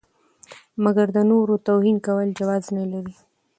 مګر د نورو توهین کول جواز نه لري.